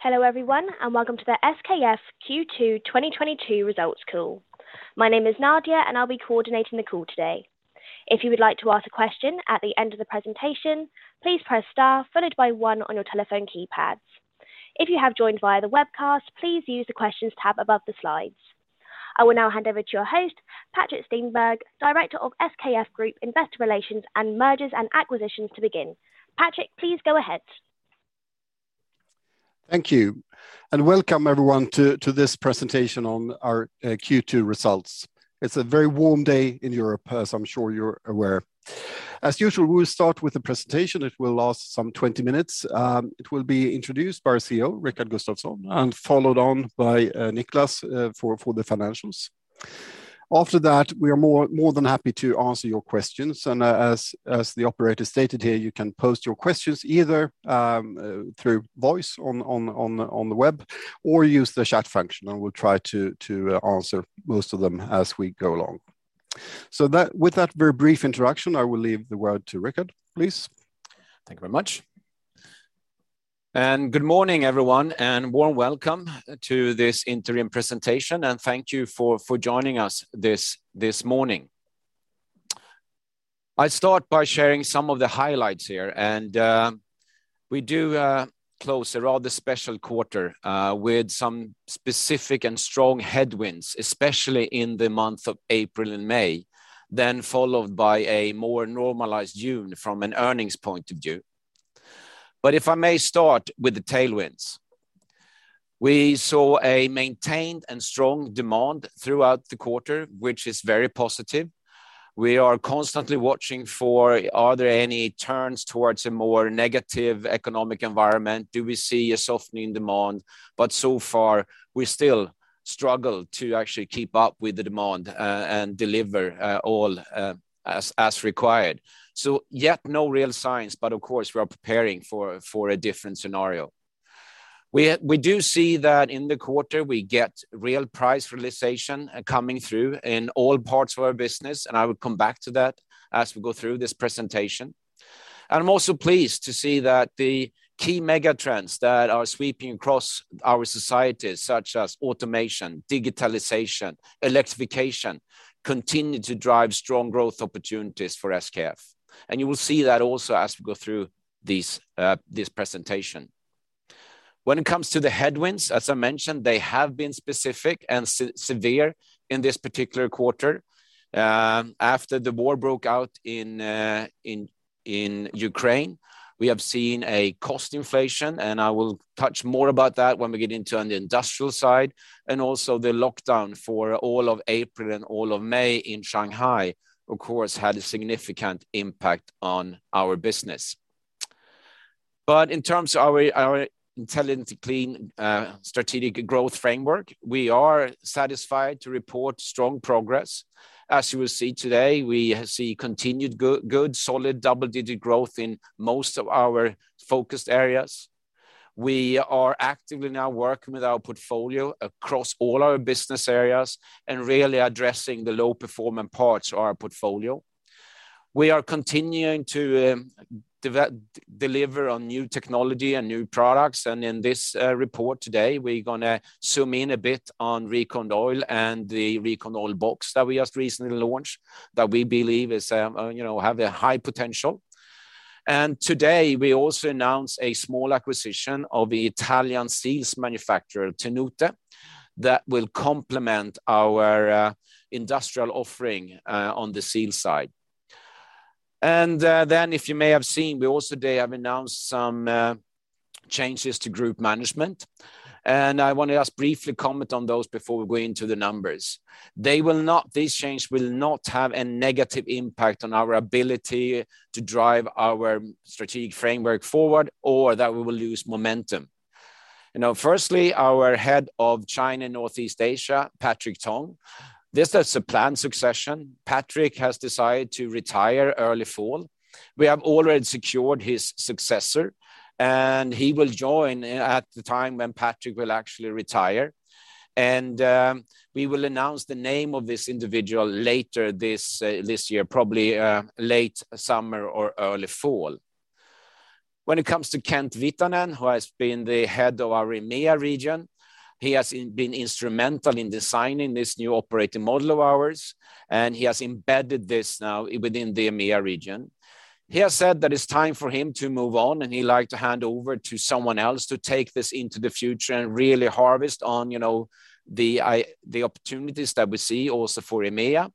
Hello everyone, and welcome to the SKF Q2 2022 results call. My name is Nadia and I'll be coordinating the call today. If you would like to ask a question at the end of the presentation, please press star followed by one on your telephone keypads. If you have joined via the webcast, please use the questions tab above the slides. I will now hand over to your host, Patrik Stenberg, Director of SKF Group Investor Relations and Mergers and Acquisitions to begin. Patrik, please go ahead. Thank you, and welcome everyone to this presentation on our Q2 results. It's a very warm day in Europe, as I'm sure you're aware. As usual, we'll start with a presentation. It will last some 20 minutes. It will be introduced by our CEO, Rickard Gustafson, and followed on by Niclas for the financials. After that, we are more than happy to answer your questions and as the operator stated here, you can pose your questions either through voice on the web or use the chat function and we'll try to answer most of them as we go along. With that very brief introduction, I will leave the word to Rickard, please. Thank you very much. Good morning, everyone, and warm welcome to this interim presentation and thank you for joining us this morning. I start by sharing some of the highlights here. We do close a rather special quarter with some specific and strong headwinds, especially in the month of April and May, then followed by a more normalized June from an earnings point of view. If I may start with the tailwinds. We saw a maintained and strong demand throughout the quarter, which is very positive. We are constantly watching for are there any turns towards a more negative economic environment? Do we see a softening demand? So far, we still struggle to actually keep up with the demand and deliver all as required. Yet no real signs, but of course, we are preparing for a different scenario. We do see that in the quarter, we get real price realization coming through in all parts of our business, and I will come back to that as we go through this presentation. I'm also pleased to see that the key mega trends that are sweeping across our societies such as automation, digitalization, electrification, continue to drive strong growth opportunities for SKF. You will see that also as we go through this presentation. When it comes to the headwinds, as I mentioned, they have been specific and severe in this particular quarter. After the war broke out in Ukraine, we have seen a cost inflation, and I will touch more about that when we get into on the industrial side, and also the lockdown for all of April and all of May in Shanghai, of course, had a significant impact on our business. In terms of our Intelligent and Clean strategic growth framework, we are satisfied to report strong progress. As you will see today, we see continued good solid double-digit growth in most of our focused areas. We are actively now working with our portfolio across all our business areas and really addressing the low performing parts of our portfolio. We are continuing to deliver on new technology and new products. In this report today, we're gonna zoom in a bit on RecondOil and the RecondOil Box that we just recently launched that we believe is, you know, have a high potential. Today, we also announced a small acquisition of Italian seals manufacturer Tenute that will complement our industrial offering on the seal side. If you may have seen, we also today have announced some changes to group management, and I want to just briefly comment on those before we go into the numbers. These changes will not have a negative impact on our ability to drive our strategic framework forward or that we will lose momentum. You know, firstly, our Head of China, Northeast Asia, Patrik Tong, this is a planned succession. Patrik has decided to retire early fall. We have already secured his successor, and he will join at the time when Patrik will actually retire. We will announce the name of this individual later this year, probably late summer or early fall. When it comes to Kent Viitanen, who has been the head of our EMEA region, he has been instrumental in designing this new operating model of ours, and he has embedded this now within the EMEA region. He has said that it's time for him to move on, and he'd like to hand over to someone else to take this into the future and really harvest on, you know, the opportunities that we see also for EMEA.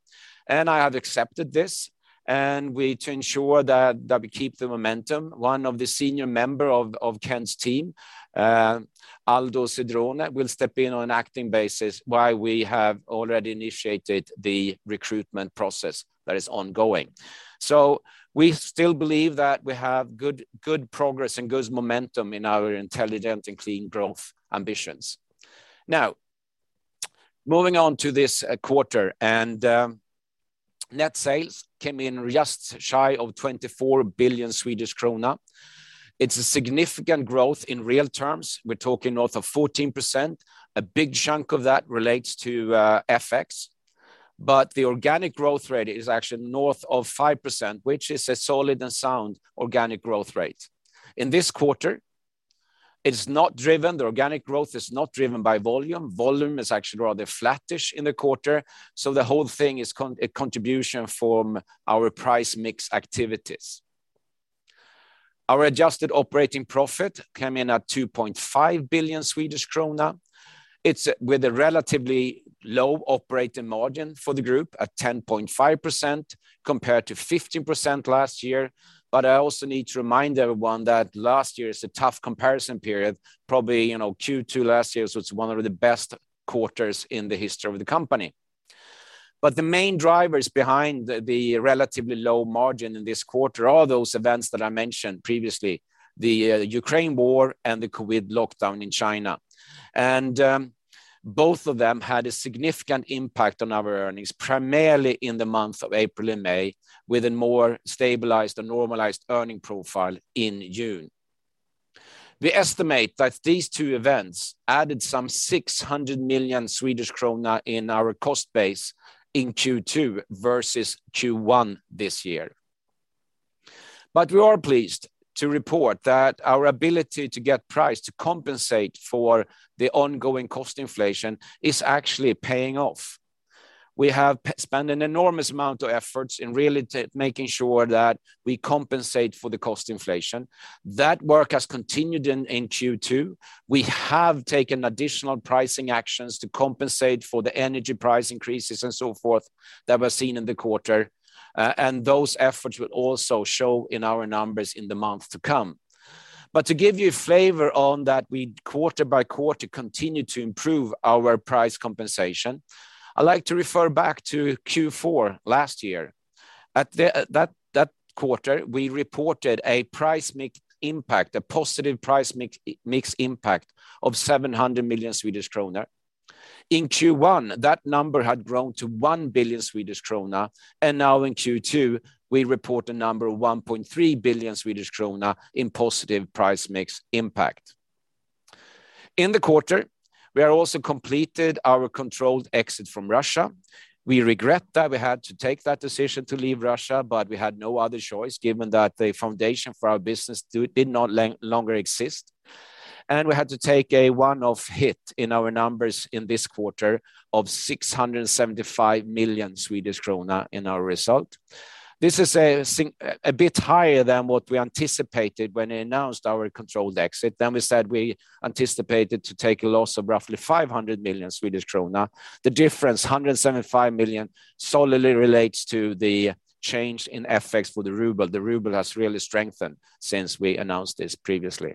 I have accepted this, and we to ensure that we keep the momentum, one of the senior member of Kent's team, Aldo Cedrone, will step in on an acting basis while we have already initiated the recruitment process that is ongoing. We still believe that we have good progress and good momentum in our Intelligent and Clean growth ambitions. Now, moving on to this quarter and net sales came in just shy of 24 billion Swedish krona. It's a significant growth in real terms. We're talking north of 14%. A big chunk of that relates to FX. But the organic growth rate is actually north of 5%, which is a solid and sound organic growth rate. In this quarter, it's not driven. The organic growth is not driven by volume. Volume is actually rather flattish in the quarter, so the whole thing is a contribution from our price mix activities. Our adjusted operating profit came in at 2.5 billion Swedish krona. It's with a relatively low operating margin for the group at 10.5% compared to 15% last year. I also need to remind everyone that last year is a tough comparison period. Probably, you know, Q2 last year was one of the best quarters in the history of the company. The main drivers behind the relatively low margin in this quarter are those events that I mentioned previously, the Ukraine war and the COVID lockdown in China. Both of them had a significant impact on our earnings, primarily in the months of April and May, with a more stabilized and normalized earning profile in June. We estimate that these two events added some 600 million Swedish krona in our cost base in Q2 versus Q1 this year. We are pleased to report that our ability to get price to compensate for the ongoing cost inflation is actually paying off. We have spent an enormous amount of efforts in really making sure that we compensate for the cost inflation. That work has continued in Q2. We have taken additional pricing actions to compensate for the energy price increases and so forth that were seen in the quarter. Those efforts will also show in our numbers in the months to come. To give you a flavor on that, we quarter by quarter continue to improve our price compensation. I like to refer back to Q4 last year. In that quarter, we reported a positive price mix impact of 700 million Swedish kronor. In Q1, that number had grown to 1 billion Swedish krona, and now in Q2, we report a number of 1.3 billion Swedish krona in positive price mix impact. In the quarter, we also completed our controlled exit from Russia. We regret that we had to take that decision to leave Russia, but we had no other choice given that the foundation for our business did no longer exist. We had to take a one-off hit in our numbers in this quarter of 675 million Swedish krona in our result. This is a bit higher than what we anticipated when we announced our controlled exit. We said we anticipated to take a loss of roughly 500 million Swedish krona. The difference, 175 million, solely relates to the change in FX for the ruble. The ruble has really strengthened since we announced this previously.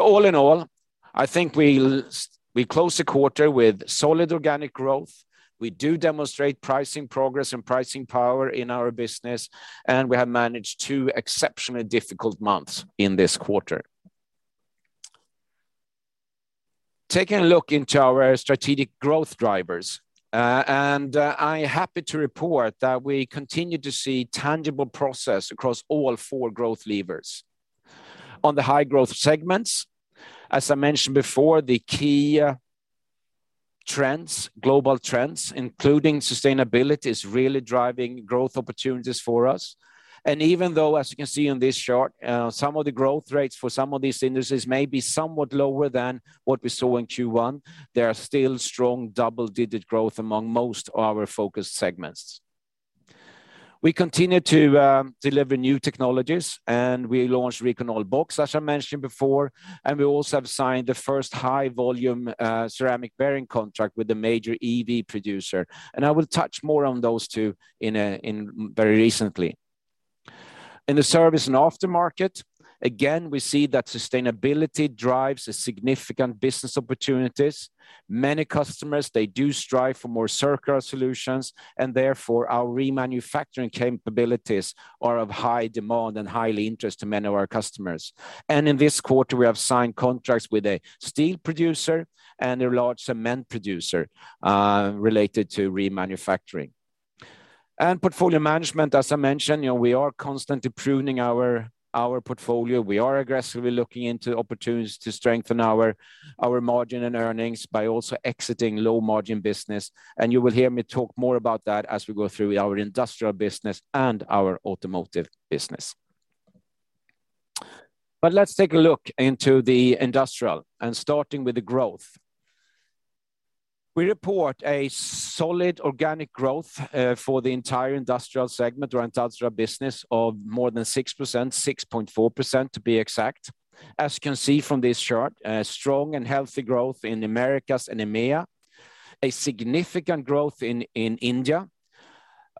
All in all, I think we closed the quarter with solid organic growth. We do demonstrate pricing progress and pricing power in our business, and we have managed two exceptionally difficult months in this quarter. Taking a look into our strategic growth drivers, I'm happy to report that we continue to see tangible progress across all four growth levers. On the high-growth segments, as I mentioned before, the key trends, global trends, including sustainability, is really driving growth opportunities for us. Even though, as you can see on this chart, some of the growth rates for some of these industries may be somewhat lower than what we saw in Q1, there are still strong double-digit growth among most of our focused segments. We continue to deliver new technologies, and we launched RecondOil Box, as I mentioned before, and we also have signed the first high-volume ceramic bearing contract with a major EV producer. I will touch more on those two very recently. In the service and aftermarket, again, we see that sustainability drives a significant business opportunities. Many customers, they do strive for more circular solutions, and therefore, our remanufacturing capabilities are of high demand and high interest to many of our customers. In this quarter, we have signed contracts with a steel producer and a large cement producer, related to remanufacturing. Portfolio management, as I mentioned, you know, we are constantly pruning our portfolio. We are aggressively looking into opportunities to strengthen our margin and earnings by also exiting low-margin business. You will hear me talk more about that as we go through our industrial business and our automotive business. Let's take a look into the industrial and starting with the growth. We report a solid organic growth for the entire industrial segment or industrial business of more than 6%, 6.4% to be exact. As you can see from this chart, strong and healthy growth in Americas and EMEA, a significant growth in India.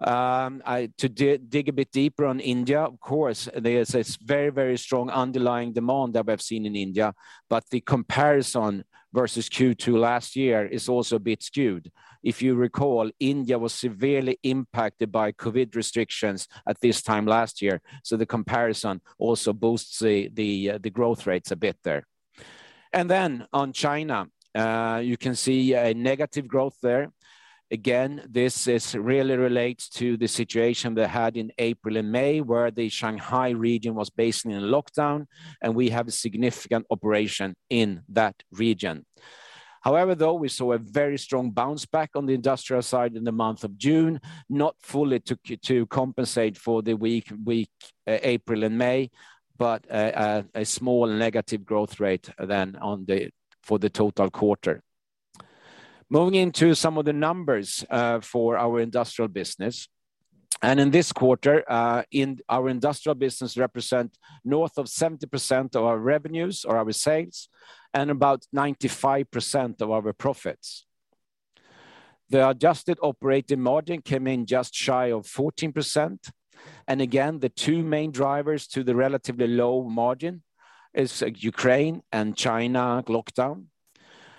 To dig a bit deeper on India, of course, there's a very, very strong underlying demand that we have seen in India, but the comparison versus Q2 last year is also a bit skewed. If you recall, India was severely impacted by COVID restrictions at this time last year, so the comparison also boosts the growth rates a bit there. On China, you can see a negative growth there. Again, this is really relates to the situation they had in April and May, where the Shanghai region was basically in lockdown, and we have a significant operation in that region. However, though, we saw a very strong bounce back on the industrial side in the month of June, not fully to compensate for the weak April and May, but a small negative growth rate than for the total quarter. Moving into some of the numbers for our industrial business, and in this quarter in our industrial business represent north of 70% of our revenues or our sales and about 95% of our profits. The adjusted operating margin came in just shy of 14% and again, the two main drivers to the relatively low margin is Ukraine and China lockdown.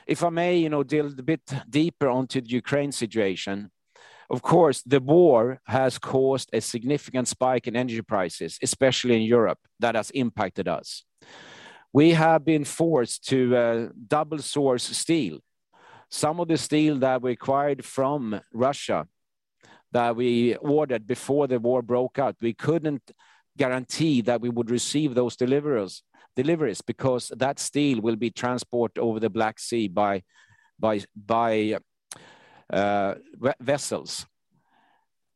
If I may, you know, drill a bit deeper onto the Ukraine situation, of course, the war has caused a significant spike in energy prices, especially in Europe that has impacted us. We have been forced to double source steel. Some of the steel that we acquired from Russia that we ordered before the war broke out, we couldn't guarantee that we would receive those deliveries because that steel will be transported over the Black Sea by vessels.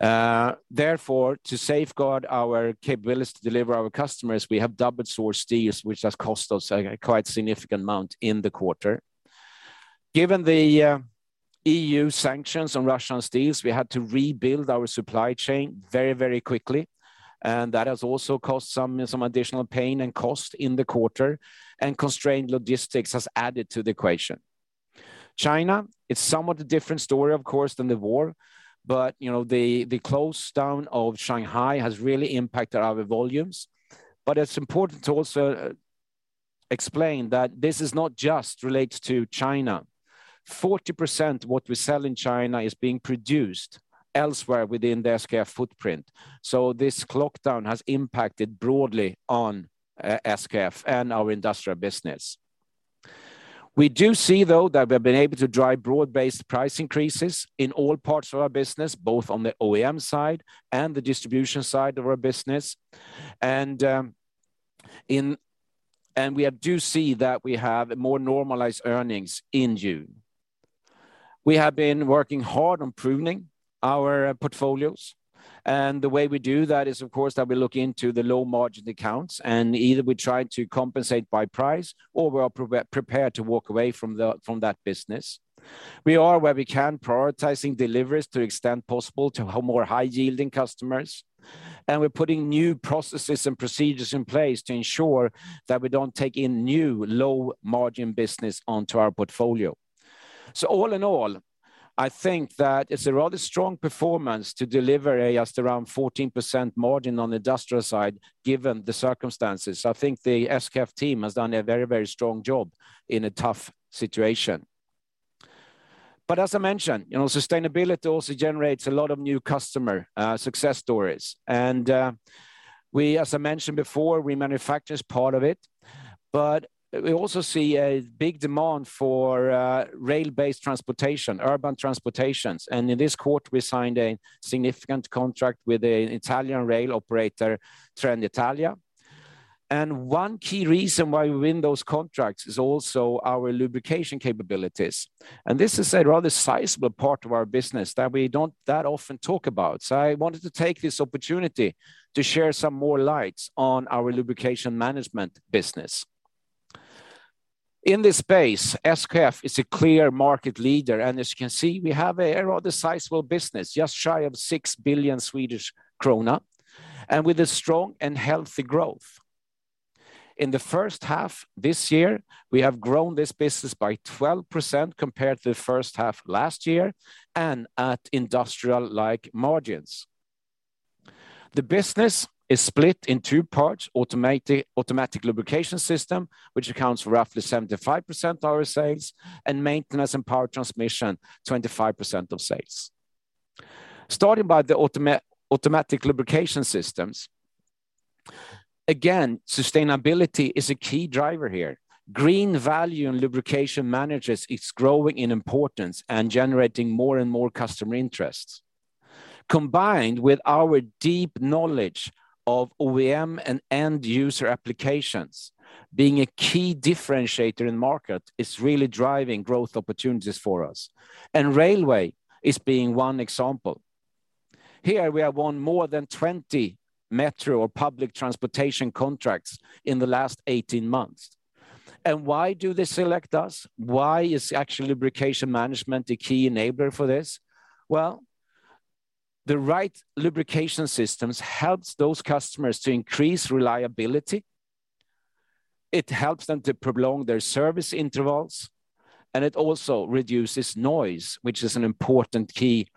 Therefore, to safeguard our capabilities to deliver our customers, we have double sourced steels, which has cost us a quite significant amount in the quarter. Given the E.U. sanctions on Russian steels, we had to rebuild our supply chain very quickly, and that has also caused some additional pain and cost in the quarter, and constrained logistics has added to the equation. China is somewhat a different story, of course, than the war, but you know, the close down of Shanghai has really impacted our volumes. It's important to also explain that this is not just related to China. 40% what we sell in China is being produced elsewhere within the SKF footprint, so this lockdown has impacted broadly on SKF and our industrial business. We do see, though, that we've been able to drive broad-based price increases in all parts of our business, both on the OEM side and the distribution side of our business. We do see that we have more normalized earnings in June. We have been working hard on pruning our portfolios, and the way we do that is, of course, that we look into the low-margin accounts, and either we try to compensate by price or we are prepared to walk away from that business. We are, where we can, prioritizing deliveries to the extent possible to more high-yielding customers, and we're putting new processes and procedures in place to ensure that we don't take in new low-margin business onto our portfolio. All in all, I think that it's a rather strong performance to deliver just around 14% margin on the industrial side given the circumstances. I think the SKF team has done a very, very strong job in a tough situation. As I mentioned, you know, sustainability also generates a lot of new customer success stories. We, as I mentioned before, remanufacturing is part of it, but we also see a big demand for rail-based transportation, urban transportation. In this quarter, we signed a significant contract with an Italian rail operator, Trenitalia. One key reason why we win those contracts is also our lubrication capabilities. This is a rather sizable part of our business that we don't that often talk about. I wanted to take this opportunity to shed some more light on our lubrication management business. In this space, SKF is a clear market leader, and as you can see, we have a rather sizable business, just shy of 6 billion Swedish krona, and with a strong and healthy growth. In the first half this year, we have grown this business by 12% compared to the first half last year and at industrial-like margins. The business is split in two parts, automatic lubrication system, which accounts for roughly 75% of our sales, and maintenance and power transmission, 25% of sales. Starting by the automatic lubrication systems, again, sustainability is a key driver here. Green value in lubrication management is growing in importance and generating more and more customer interest. Combined with our deep knowledge of OEM and end-user applications, being a key differentiator in the market is really driving growth opportunities for us, and railway is being one example. Here, we have won more than 20 metro or public transportation contracts in the last 18 months. Why do they select us? Why is actually lubrication management a key enabler for this? Well, the right lubrication systems helps those customers to increase reliability, it helps them to prolong their service intervals, and it also reduces noise, which is an important key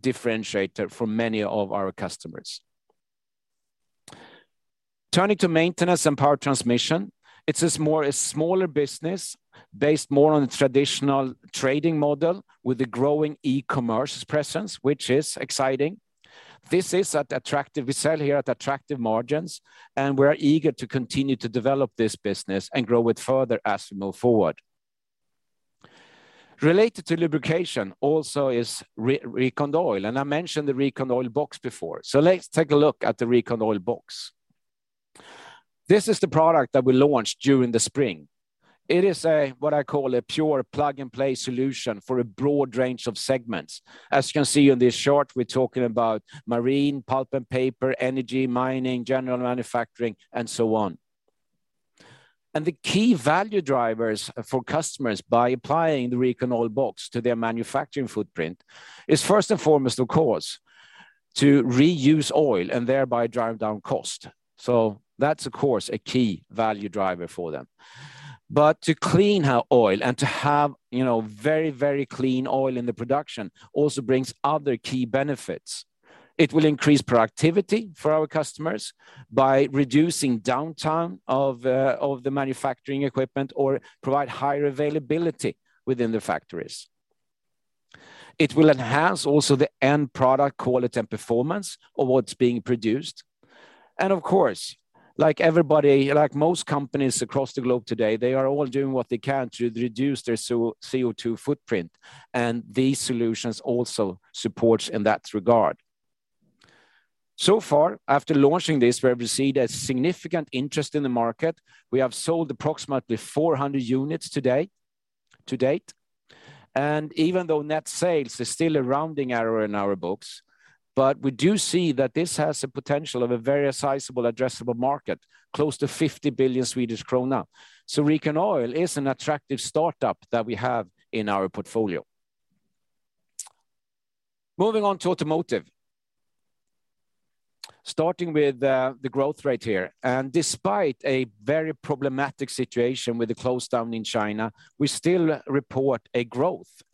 differentiator for many of our customers. Turning to maintenance and power transmission, it is more a smaller business based more on a traditional trading model with a growing e-commerce presence, which is exciting. We sell here at attractive margins, and we are eager to continue to develop this business and grow it further as we move forward. Related to lubrication also is RecondOil, and I mentioned the RecondOil Box before. Let's take a look at the RecondOil Box. This is the product that we launched during the spring. It is a, what I call a pure plug-and-play solution for a broad range of segments. As you can see on this chart, we're talking about marine, pulp and paper, energy, mining, general manufacturing, and so on. The key value drivers for customers by applying the RecondOil Box to their manufacturing footprint is first and foremost, of course, to reuse oil and thereby drive down cost. That's of course, a key value driver for them. To clean our oil and to have, you know, very, very clean oil in the production also brings other key benefits. It will increase productivity for our customers by reducing downtime of the manufacturing equipment or provide higher availability within the factories. It will enhance also the end product quality and performance of what's being produced. Of course, like most companies across the globe today, they are all doing what they can to reduce their CO2 footprint, and these solutions also supports in that regard. Far, after launching this, we have received a significant interest in the market. We have sold approximately 400 units to date. Even though net sales is still a rounding error in our books, but we do see that this has a potential of a very sizable addressable market, close to 50 billion Swedish krona. RecondOil is an attractive startup that we have in our portfolio. Moving on to automotive. Starting with the growth rate here, and despite a very problematic situation with the lockdown in China, we still report an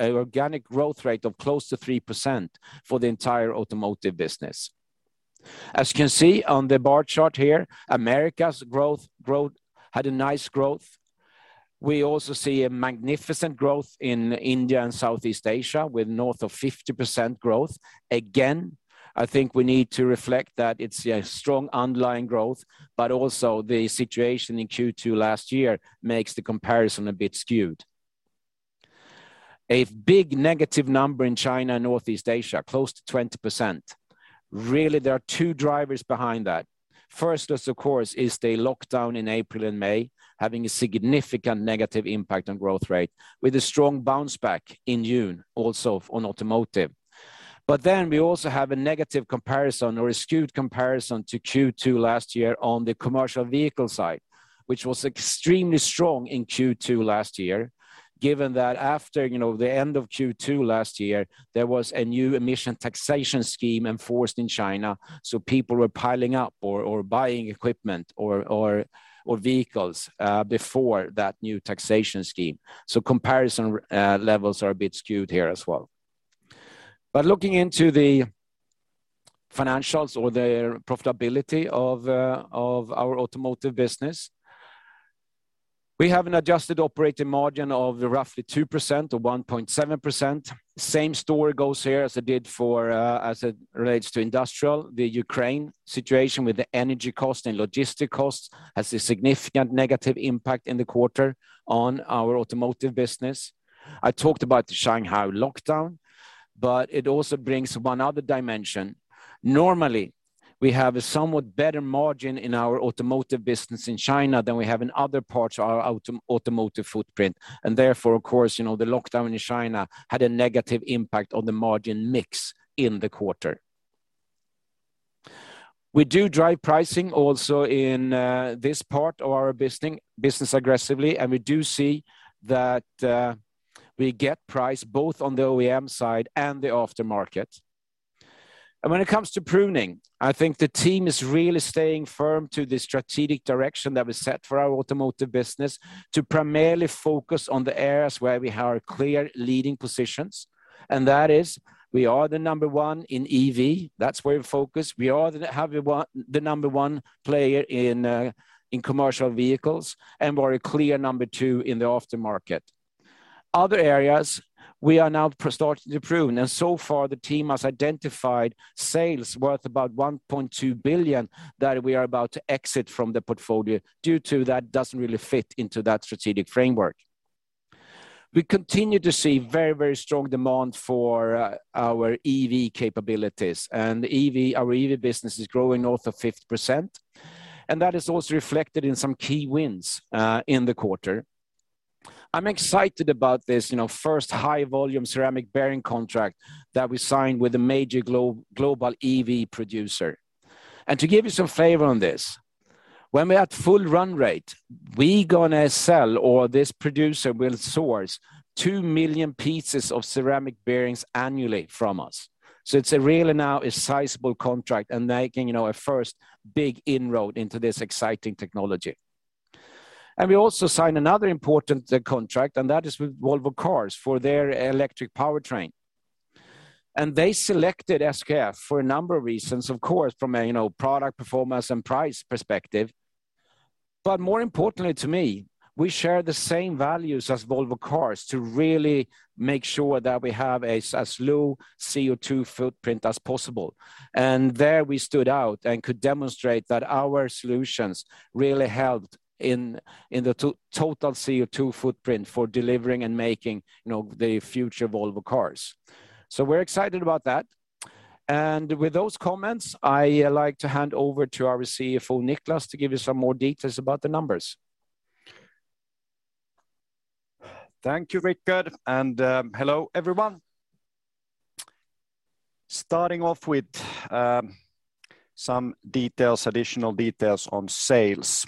organic growth rate of close to 3% for the entire automotive business. As you can see on the bar chart here, Americas' growth had a nice growth. We also see a magnificent growth in India and Southeast Asia, with north of 50% growth. Again, I think we need to reflect that it's a strong underlying growth, but also the situation in Q2 last year makes the comparison a bit skewed. A big negative number in China and Northeast Asia, close to 20%. Really, there are two drivers behind that. First, of course, is the lockdown in April and May, having a significant negative impact on growth rate with a strong bounce back in June, also on automotive. We also have a negative comparison or a skewed comparison to Q2 last year on the commercial vehicle side, which was extremely strong in Q2 last year. Given that after the end of Q2 last year, there was a new emission taxation scheme enforced in China, so people were piling up or buying equipment or vehicles before that new taxation scheme. Comparison levels are a bit skewed here as well. Looking into the financials or the profitability of our automotive business, we have an adjusted operating margin of roughly 2% or 1.7%. Same story goes here as it relates to industrial. The Ukraine situation with the energy costs and logistics costs has a significant negative impact in the quarter on our automotive business. I talked about the Shanghai lockdown, but it also brings one other dimension. Normally, we have a somewhat better margin in our automotive business in China than we have in other parts of our automotive footprint. Therefore, of course, you know, the lockdown in China had a negative impact on the margin mix in the quarter. We do drive pricing also in this part of our business aggressively, and we do see that we get price both on the OEM side and the aftermarket. When it comes to pruning, I think the team is really staying firm to the strategic direction that was set for our automotive business to primarily focus on the areas where we have clear leading positions. That is we are the number one in EV. That's where we focus. We are the number one player in commercial vehicles, and we're a clear number two in the aftermarket. Other areas we are now starting to prune, and so far the team has identified sales worth about 1.2 billion that we are about to exit from the portfolio due to that doesn't really fit into that strategic framework. We continue to see very, very strong demand for our EV capabilities, and our EV business is growing north of 50%, and that is also reflected in some key wins in the quarter. I'm excited about this, you know, first high-volume ceramic bearing contract that we signed with a major global EV producer. To give you some flavor on this, when we're at full run rate, we gonna sell or this producer will source 2 million pieces of ceramic bearings annually from us. It's a really now a sizable contract and making, you know, a first big inroad into this exciting technology. We also signed another important contract, and that is with Volvo Cars for their electric powertrain. They selected SKF for a number of reasons, of course, from a, you know, product performance and price perspective. More importantly to me, we share the same values as Volvo Cars to really make sure that we have as low CO2 footprint as possible. There we stood out and could demonstrate that our solutions really helped in the total CO2 footprint for delivering and making, you know, the future Volvo cars. We're excited about that. With those comments, I like to hand over to our CFO, Niclas, to give you some more details about the numbers. Thank you, Rickard, and hello, everyone. Starting off with some details, additional details on sales.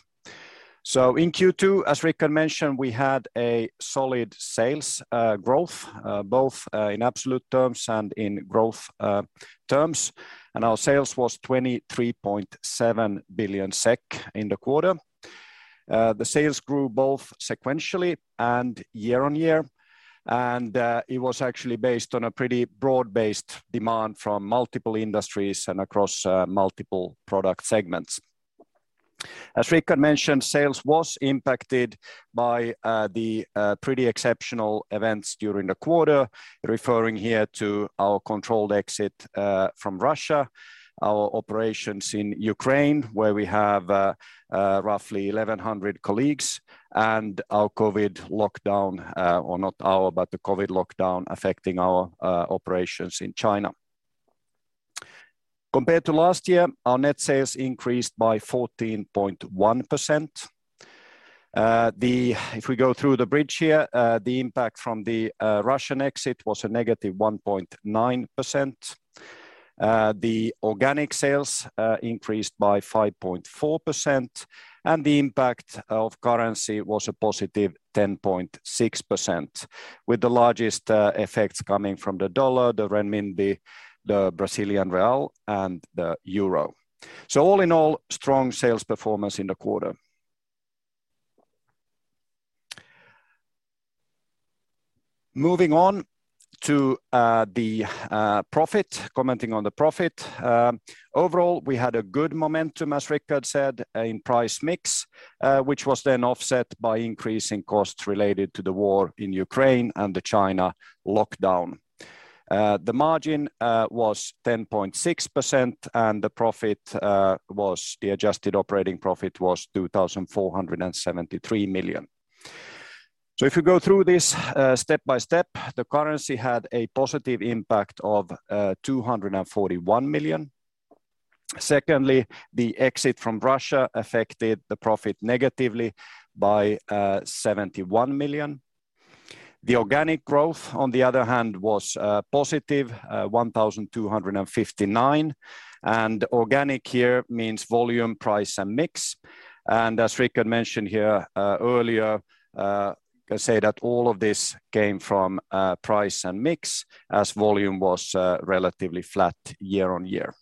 In Q2, as Rickard mentioned, we had a solid sales growth both in absolute terms and in growth terms, and our sales was 23.7 billion SEK in the quarter. The sales grew both sequentially and year-on-year, and it was actually based on a pretty broad-based demand from multiple industries and across multiple product segments. As Rickard mentioned, sales was impacted by the pretty exceptional events during the quarter, referring here to our controlled exit from Russia, our operations in Ukraine, where we have roughly 1,100 colleagues, and the COVID lockdown affecting our operations in China. Compared to last year, our net sales increased by 14.1%. If we go through the bridge here, the impact from the Russian exit was a negative 1.9%. The organic sales increased by 5.4%, and the impact of currency was a positive 10.6%, with the largest effects coming from the dollar, the renminbi, the Brazilian real, and the euro. All in all, strong sales performance in the quarter. Moving on to the profit, commenting on the profit. Overall, we had a good momentum, as Rikard said, in price mix, which was then offset by increasing costs related to the war in Ukraine and the China lockdown. The margin was 10.6%, and the adjusted operating profit was 2,473 million. If you go through this step by step, the currency had a positive impact of 241 million. Secondly, the exit from Russia affected the profit negatively by 71 million. The organic growth, on the other hand, was positive 1,259 million. Organic here means volume, price, and mix. As Rickard mentioned here earlier, can say that all of this came from price and mix as volume was relatively flat year-over-year.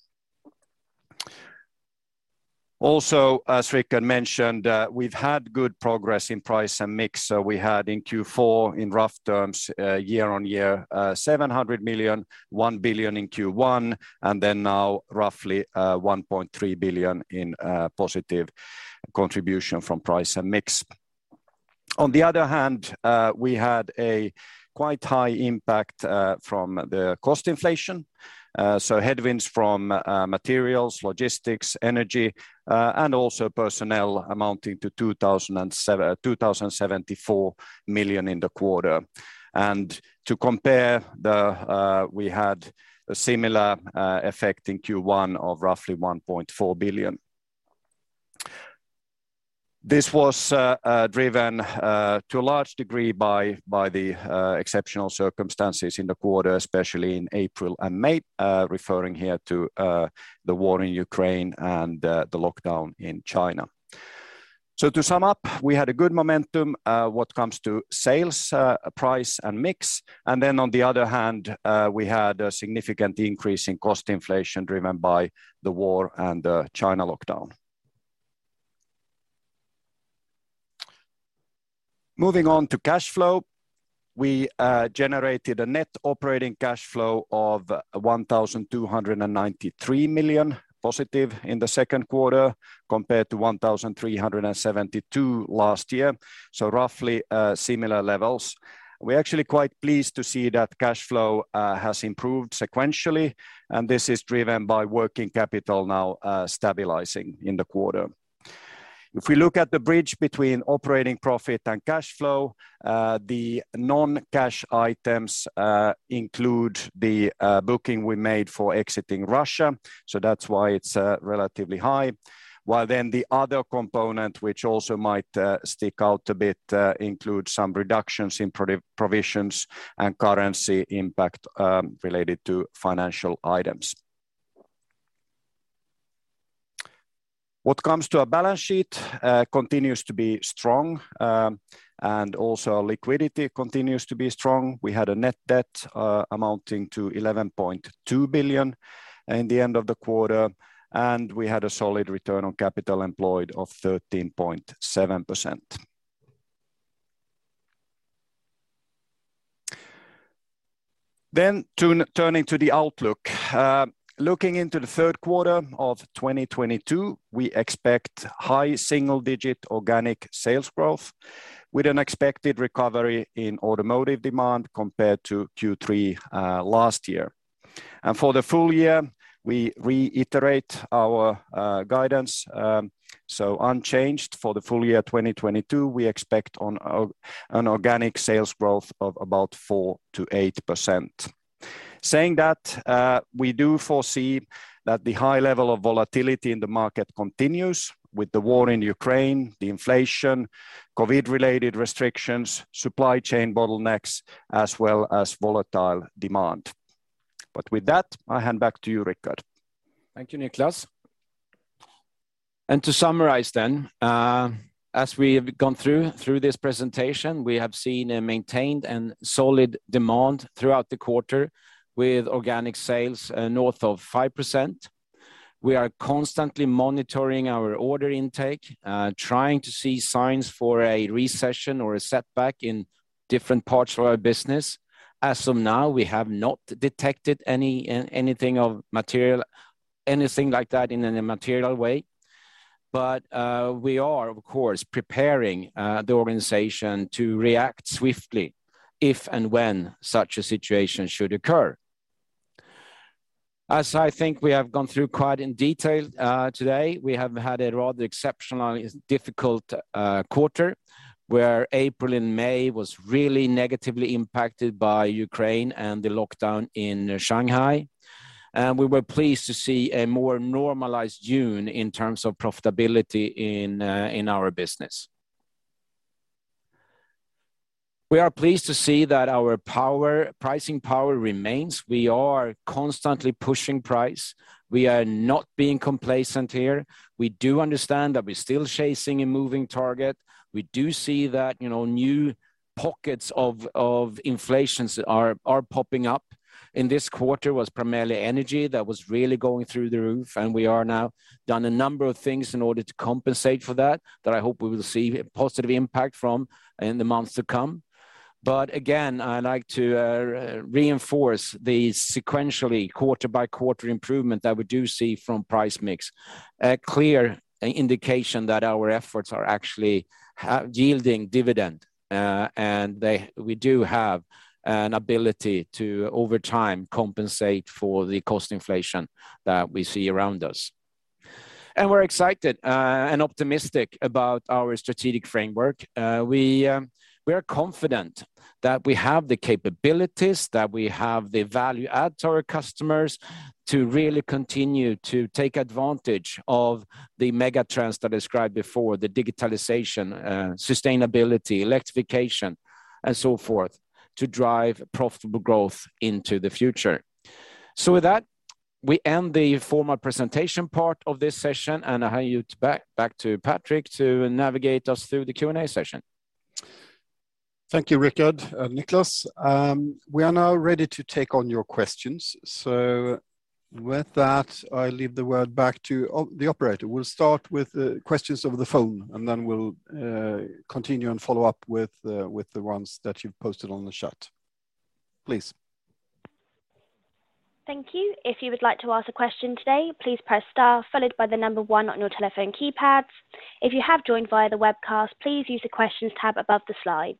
Also, as Rickard mentioned, we've had good progress in price and mix. We had in Q4, in rough terms, year on year, 700 million in Q1, and then now roughly 1.3 billion in positive contribution from price and mix. On the other hand, we had a quite high impact from the cost inflation. Headwinds from materials, logistics, energy, and also personnel amounting to 2,074 million in the quarter. To compare, we had a similar effect in Q1 of roughly 1.4 billion. This was driven to a large degree by the exceptional circumstances in the quarter, especially in April and May, referring here to the war in Ukraine and the lockdown in China. To sum up, we had a good momentum when it comes to sales, price, and mix. On the other hand, we had a significant increase in cost inflation driven by the war and the China lockdown. Moving on to cash flow. We generated a net operating cash flow of 1,293 million positive in the second quarter compared to 1,372 million last year, so roughly, similar levels. We're actually quite pleased to see that cash flow has improved sequentially, and this is driven by working capital now stabilizing in the quarter. If we look at the bridge between operating profit and cash flow, the non-cash items include the booking we made for exiting Russia. That's why it's relatively high. Well, then the other component which also might stick out a bit includes some reductions in provisions and currency impact related to financial items. When it comes to our balance sheet, it continues to be strong, and also our liquidity continues to be strong. We had a net debt amounting to 11.2 billion at the end of the quarter, and we had a solid return on capital employed of 13.7%. Turning to the outlook. Looking into the third quarter of 2022, we expect high single-digit organic sales growth with an expected recovery in automotive demand compared to Q3 last year. For the full year, we reiterate our guidance. Unchanged for the full year 2022, we expect an organic sales growth of about 4%-8%. Saying that, we do foresee that the high level of volatility in the market continues with the war in Ukraine, the inflation, COVID-related restrictions, supply chain bottlenecks, as well as volatile demand. With that, I hand back to you, Rickard. Thank you, Niclas. To summarize then, as we have gone through this presentation, we have seen a maintained and solid demand throughout the quarter with organic sales north of 5%. We are constantly monitoring our order intake, trying to see signs for a recession or a setback in different parts of our business. As of now, we have not detected anything of material, anything like that in any material way. We are of course preparing the organization to react swiftly if and when such a situation should occur. As I think we have gone through quite in detail today, we have had a rather exceptionally difficult quarter, where April and May was really negatively impacted by Ukraine and the lockdown in Shanghai. We were pleased to see a more normalized June in terms of profitability in our business. We are pleased to see that our pricing power remains. We are constantly pushing price. We are not being complacent here. We do understand that we're still chasing a moving target. We do see that, you know, new pockets of inflation are popping up. In this quarter, it was primarily energy that was really going through the roof, and we have now done a number of things in order to compensate for that, I hope we will see a positive impact from in the months to come. I like to reinforce the sequential quarter-by-quarter improvement that we do see from price mix. A clear indication that our efforts are actually yielding dividends, and they. We do have an ability to, over time, compensate for the cost inflation that we see around us. We're excited and optimistic about our strategic framework. We are confident that we have the capabilities, that we have the value add to our customers to really continue to take advantage of the mega trends that I described before, the digitalization, sustainability, electrification, and so forth, to drive profitable growth into the future. With that, we end the formal presentation part of this session, and I hand you back to Patrik to navigate us through the Q&A session. Thank you, Rickard and Niclas. We are now ready to take on your questions. With that, I leave the word back to the operator. We'll start with the questions over the phone, and then we'll continue and follow up with the ones that you've posted on the chat. Please. Thank you. If you would like to ask a question today, please press star followed by the number one on your telephone keypads. If you have joined via the webcast, please use the Questions tab above the slides.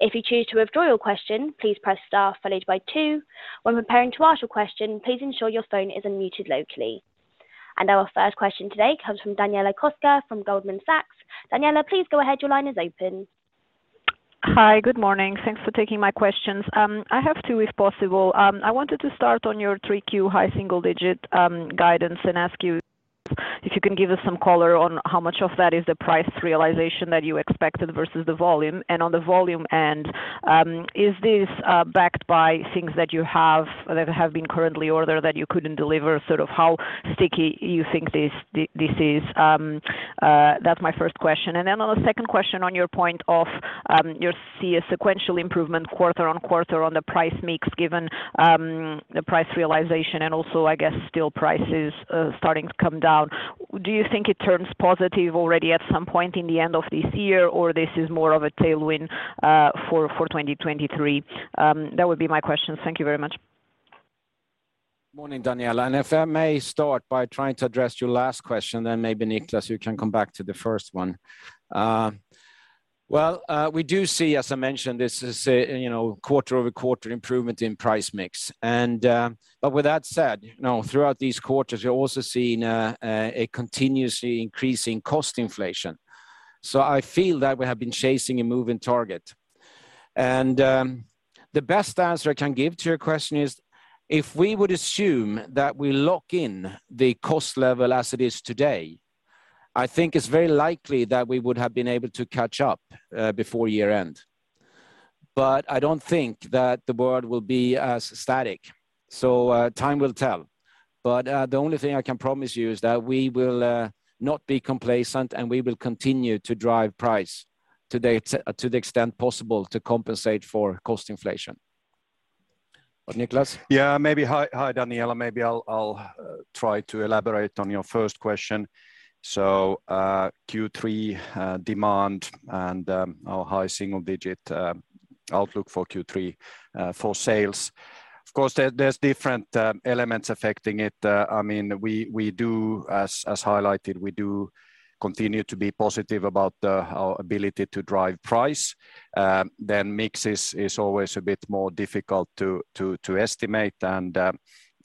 If you choose to withdraw your question, please press star followed by two. When preparing to ask your question, please ensure your phone is unmuted locally. Our first question today comes from Daniela Costa from Goldman Sachs. Daniela, please go ahead. Your line is open. Hi. Good morning. Thanks for taking my questions. I have two, if possible. I wanted to start on your Q3 high single digit guidance and ask you if you can give us some color on how much of that is the price realization that you expected versus the volume. On the volume end, is this backed by things that you have, that have been currently ordered that you couldn't deliver, sort of how sticky you think this is? That's my first question. Then on the second question on your point of, you see a sequential improvement quarter on quarter on the price mix given, the price realization and also I guess steel prices starting to come down. Do you think it turns positive already at some point in the end of this year, or this is more of a tailwind for 2023? That would be my questions. Thank you very much. Morning, Daniela. If I may start by trying to address your last question, then maybe Niclas, you can come back to the first one. Well, we do see, as I mentioned, this is a, you know, quarter-over-quarter improvement in price mix. But with that said, you know, throughout these quarters, you're also seeing a continuously increasing cost inflation. I feel that we have been chasing a moving target. The best answer I can give to your question is, if we would assume that we lock in the cost level as it is today, I think it's very likely that we would have been able to catch up before year end. I don't think that the world will be as static. Time will tell. The only thing I can promise you is that we will not be complacent, and we will continue to drive price to the extent possible to compensate for cost inflation. Niclas? Hi, Daniela. Maybe I'll try to elaborate on your first question. Q3 demand and our high single-digit outlook for Q3 for sales. Of course, there's different elements affecting it. I mean, we do, as highlighted, we do continue to be positive about our ability to drive price. Then mix is always a bit more difficult to estimate.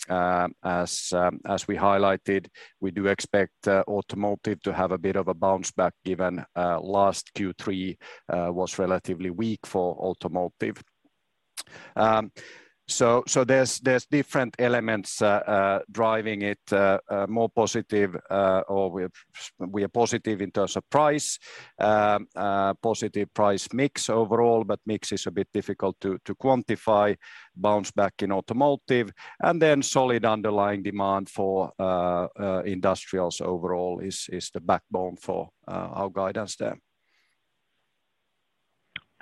As we highlighted, we do expect automotive to have a bit of a bounce back given last Q3 was relatively weak for automotive. There's different elements driving it more positive, or we are positive in terms of price. Positive price mix overall, but mix is a bit difficult to quantify, bounce back in automotive. Solid underlying demand for industrials overall is the backbone for our guidance there.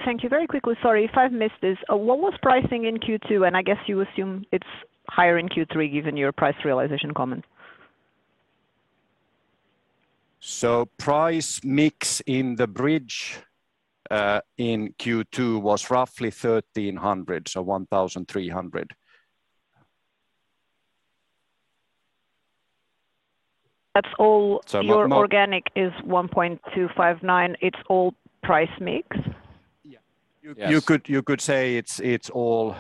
Thank you. Very quickly, sorry if I've missed this. What was pricing in Q2? I guess you assume it's higher in Q3 given your price realization comment. Price mix in the bridge, in Q2 was roughly 1,300, so 1,300. That's all. So not the most- Your organic is 1.259%, it's all price mix? Yeah. Yes.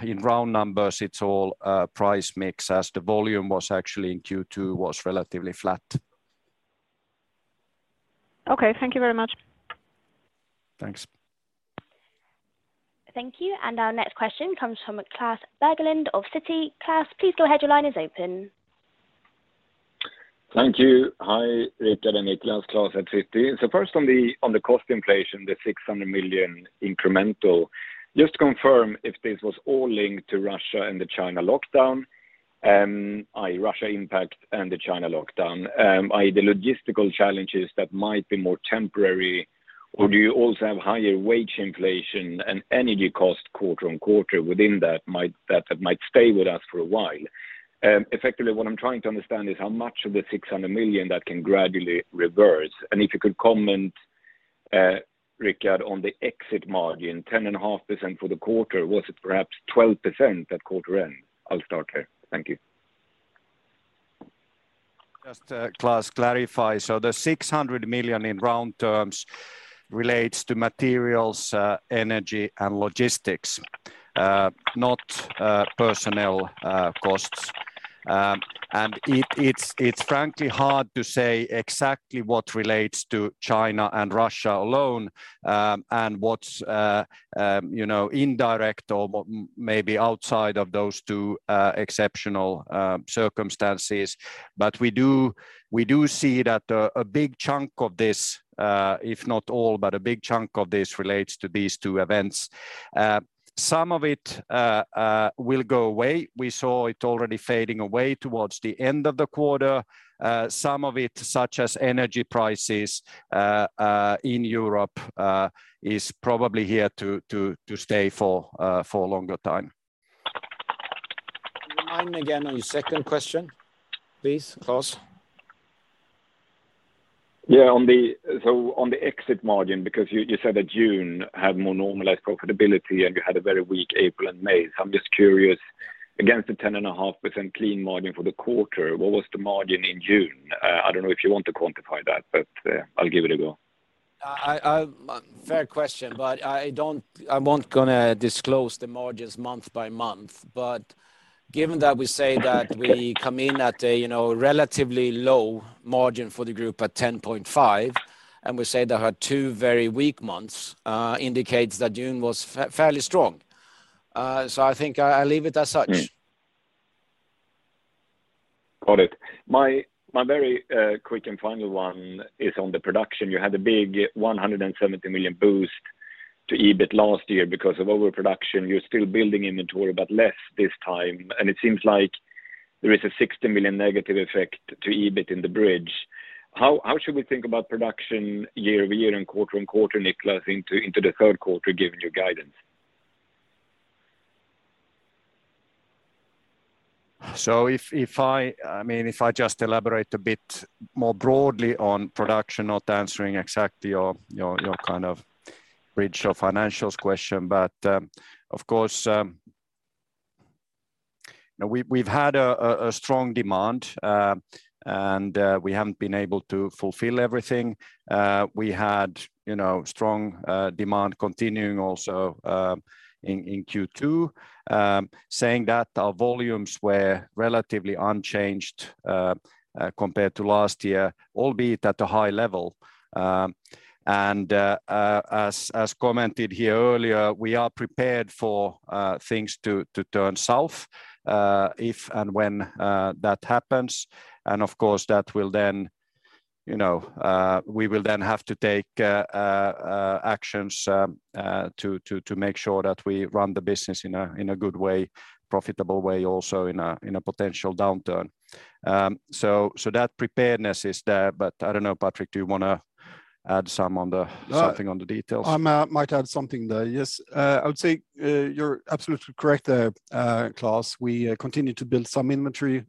In round numbers, it's all price mix as the volume actually in Q2 was relatively flat. Okay, thank you very much. Thanks. Thank you. Our next question comes from Klas Bergelind of Citi. Klas, please go ahead. Your line is open. Thank you. Hi, Rikard and Niclas. Klas at Citi. First on the cost inflation, the 600 million incremental. Just confirm if this was all linked to Russia and the China lockdown, i.e., Russia impact and the China lockdown, i.e., the logistical challenges that might be more temporary, or do you also have higher wage inflation and energy cost quarter-on-quarter within that might stay with us for a while? Effectively, what I'm trying to understand is how much of the 600 million that can gradually reverse. And if you could comment, Rikard, on the exit margin, 10.5% for the quarter. Was it perhaps 12% at quarter end? I'll start here. Thank you. Just to, Klas, clarify. The 600 million in round terms relates to materials, energy, and logistics, not personnel costs. It's frankly hard to say exactly what relates to China and Russia alone, and what's indirect or what maybe outside of those two exceptional circumstances. We see that a big chunk of this, if not all, but a big chunk of this relates to these two events. Some of it will go away. We saw it already fading away towards the end of the quarter. Some of it, such as energy prices in Europe, is probably here to stay for a longer time. Remind me again on your second question, please, Klas. On the exit margin, because you said that June had more normalized profitability, and you had a very weak April and May. I'm just curious, against the 10.5% clean margin for the quarter, what was the margin in June? I don't know if you want to quantify that, but I'll give it a go. Fair question, but I won't gonna disclose the margins month by month. Given that we say that we come in at a you know relatively low margin for the group at 10.5%, and we say there are two very weak months, indicates that June was fairly strong. I think I'll leave it as such. Got it. My very quick and final one is on the production. You had a big 170 million boost to EBIT last year because of overproduction. You're still building inventory, but less this time, and it seems like there is a 60 million negative effect to EBIT in the bridge. How should we think about production year-over-year and quarter-on-quarter, Niclas, into the third quarter given your guidance? I mean, if I just elaborate a bit more broadly on production, not answering exactly your kind of bridge or financials question. Of course, you know, we've had a strong demand, and we haven't been able to fulfill everything. We had, you know, strong demand continuing also in Q2. Saying that our volumes were relatively unchanged compared to last year, albeit at a high level. As commented here earlier, we are prepared for things to turn south if and when that happens. Of course, that will then, you know, we will then have to take actions to make sure that we run the business in a good way, profitable way also in a potential downturn. So that preparedness is there. I don't know, Patrik, do you wanna add some on the- Uh- Something on the details? I might add something there. Yes. I would say, Klas. We continue to build some inventory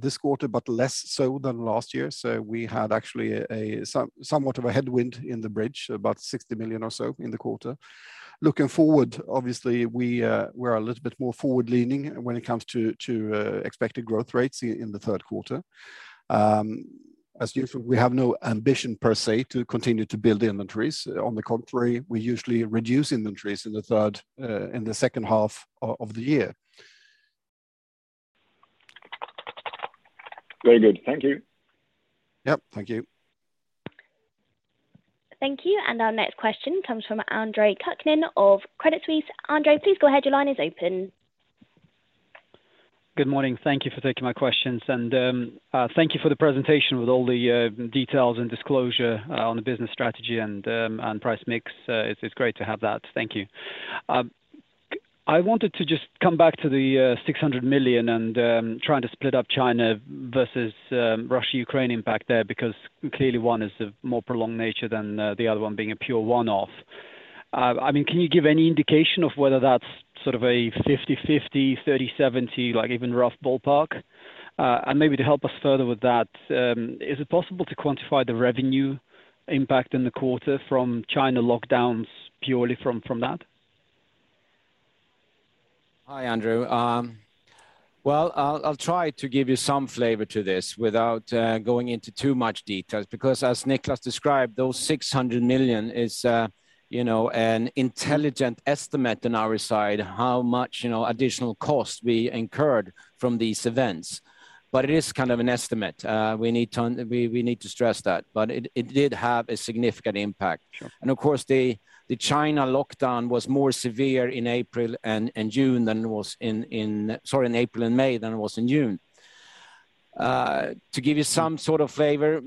this quarter, but less so than last year. We had actually a somewhat of a headwind in the bridge, about 60 million or so in the quarter. Looking forward, obviously, we're a little bit more forward-leaning when it comes to expected growth rates in the third quarter. As usual, we have no ambition per se to continue to build inventories. On the contrary, we usually reduce inventories in the second half of the year. Very good. Thank you. Yep. Thank you. Thank you. Our next question comes from Andre Kukhnin of Credit Suisse. Andre, please go ahead. Your line is open. Good morning. Thank you for taking my questions. Thank you for the presentation with all the details and disclosure on the business strategy and price mix. It's great to have that. Thank you. I wanted to just come back to the 600 million and trying to split up China versus Russia, Ukraine impact there, because clearly one is a more prolonged nature than the other one being a pure one-off. I mean, can you give any indication of whether that's sort of a 50/50, 30/70, like even rough ballpark? And maybe to help us further with that, is it possible to quantify the revenue impact in the quarter from China lockdowns purely from that? Hi, Andre. Well, I'll try to give you some flavor to this without going into too much details because as Niclas described, those 600 million is, you know, an intelligent estimate on our side, how much, you know, additional cost we incurred from these events. It is kind of an estimate. We need to stress that, but it did have a significant impact. Sure. Of course, the China lockdown was more severe in April and May than it was in June. To give you some sort of flavor,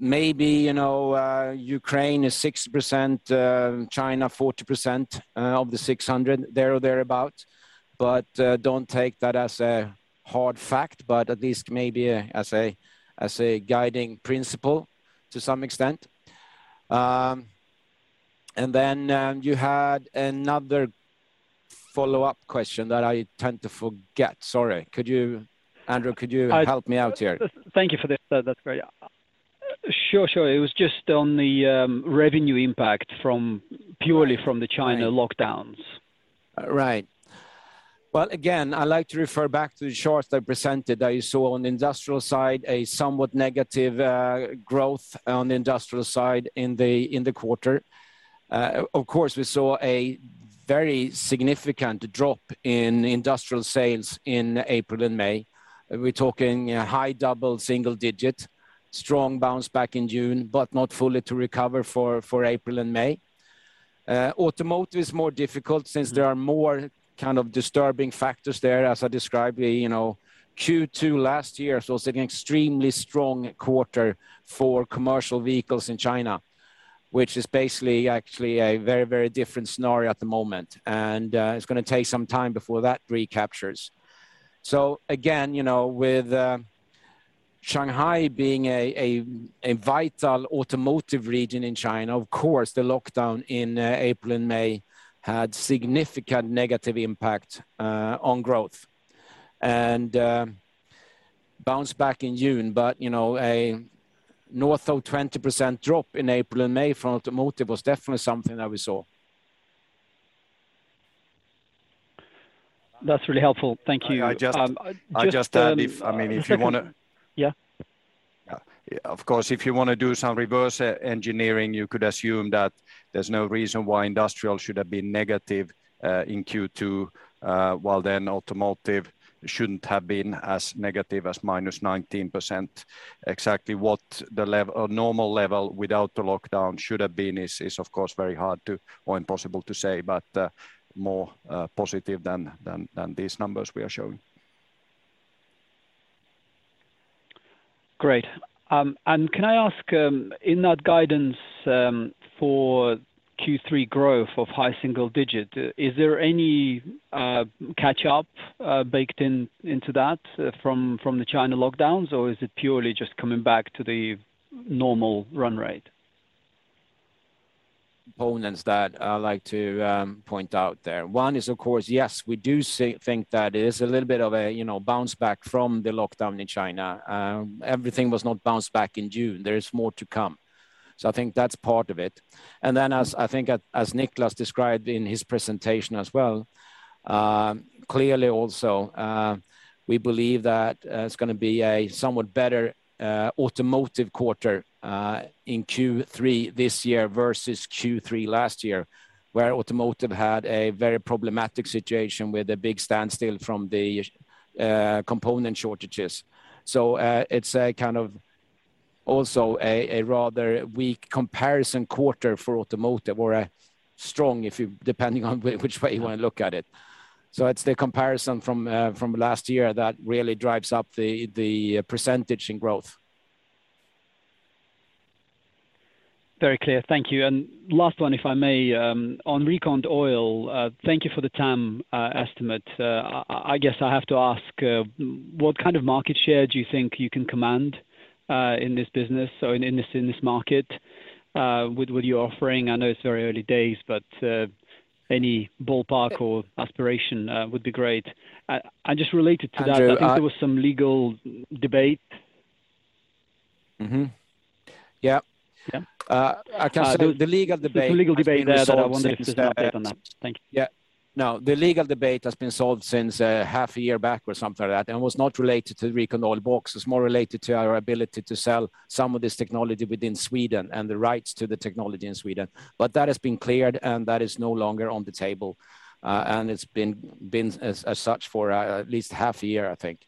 maybe, you know, Ukraine is 6%, China 40%, of the 600, there or thereabouts. Don't take that as a hard fact, but at least maybe as a guiding principle to some extent. You had another follow-up question that I tend to forget. Sorry. Could you, Andre, help me out here? Thank you for this. That, that's great. Sure, sure. It was just on the revenue impact from purely from the China lockdowns. Right. Well, again, I like to refer back to the charts that were presented, that you saw on the industrial side, a somewhat negative growth on the industrial side in the quarter. Of course, we saw a very significant drop in industrial sales in April and May. We're talking high double-digit, strong bounce back in June, but not fully to recover for April and May. Automotive is more difficult since there are more kind of disturbing factors there. As I described, you know, Q2 last year saw such an extremely strong quarter for commercial vehicles in China, which is basically actually a very, very different scenario at the moment. It's gonna take some time before that recaptures. Again, you know, with Shanghai being a vital automotive region in China, of course, the lockdown in April and May had significant negative impact on growth and bounced back in June. You know, a north of 20% drop in April and May for automotive was definitely something that we saw. That's really helpful. Thank you. I mean, if you wanna Just a second. Yeah? Yeah. Of course, if you wanna do some reverse engineering, you could assume that there's no reason why industrial should have been negative in Q2 while then automotive shouldn't have been as negative as minus 19%. Exactly what the normal level without the lockdown should have been is of course very hard, or impossible, to say, but more positive than these numbers we are showing. Great. Can I ask, in that guidance, for Q3 growth of high single-digit, is there any catch up baked in into that, from the China lockdowns? Or is it purely just coming back to the normal run rate? Points that I like to point out there. One is, of course, yes, we do think that it is a little bit of a, you know, bounce back from the lockdown in China. Everything was not bounced back in June. There is more to come. I think that's part of it. Then as I think Niclas described in his presentation as well, clearly also we believe that it's gonna be a somewhat better automotive quarter in Q3 this year versus Q3 last year, where automotive had a very problematic situation with a big standstill from the component shortages. It's a kind of also a rather weak comparison quarter for automotive or a strong, depending on which way you wanna look at it. It's the comparison from last year that really drives up the percentage in growth. Very clear. Thank you. Last one, if I may, on RecondOil, thank you for the TAM estimate. I guess I have to ask, what kind of market share do you think you can command, in this business or in this market, with what you're offering? I know it's very early days, but any ballpark or aspiration would be great. And just related to that. Andre, I I think there was some legal debate. Mm-hmm. Yeah. Yeah. I can say the legal debate has been solved since. There's a legal debate there that I wonder if there's an update on that. Thank you. Yeah. No, the legal debate has been solved since half a year back or something like that, and was not related to RecondOil Box. It's more related to our ability to sell some of this technology within Sweden and the rights to the technology in Sweden. That has been cleared, and that is no longer on the table. It's been as such for at least half a year, I think.